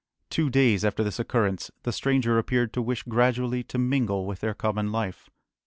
Two days after this occurrence, the stranger appeared to wish gradually to mingle with their common life.